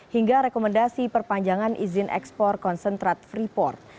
hingga rekomendasi perpanjangan izin ekspor konsentrat freeport